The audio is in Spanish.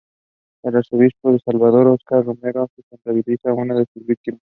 El arzobispo de San Salvador, Óscar Romero se contabiliza como una de sus víctimas.